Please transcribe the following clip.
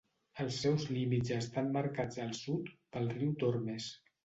Els seus límits estan marcats al sud pel riu Tormes.